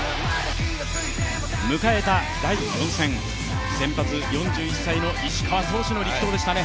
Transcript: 迎えた第４戦、先発、４１歳の石川投手の力投でしたね。